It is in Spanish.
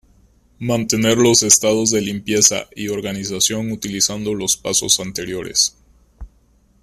Mantener los estados de limpieza y organización utilizando los pasos anteriores.